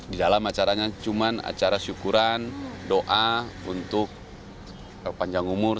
di dalam acaranya cuma acara syukuran doa untuk panjang umur